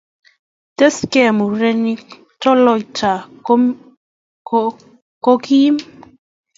Tesksei murenik, toloita ko kim